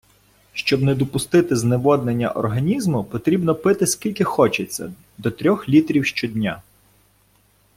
Щоб не допустити зневоднення організму, потрібно пити скільки хочеться – до трьох літрів щодня